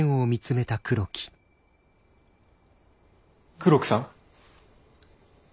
黒木さん？